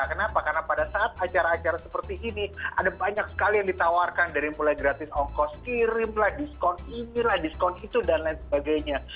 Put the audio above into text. kenapa karena pada saat acara acara seperti ini ada banyak sekali yang ditawarkan dari mulai gratis ongkos kirim lah diskon ini lah diskon itu dan lain sebagainya